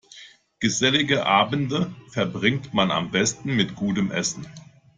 Gesellige Abende verbringt man am besten mit gutem Essen.